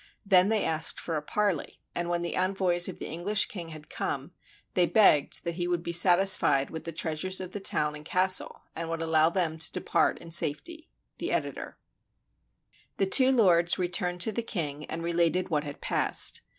Then they asked for a parley, and when the envoys of the English king had come, they begged that he would be satisfied with the treasures of the town and castle and would allow them to depart in safety. The Editor] The two lords returned to the king and related what had passed.